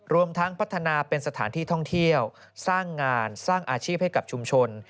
รวมทั้งพัฒนาเป็นสถานที่ท่องเที่ยวสร้างงานสร้างอาชีพให้กับชุมชน